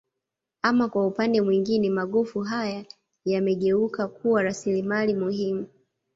Ama kwa upande mwingine magofu haya yamegeuka kuwa rasilimali muhimu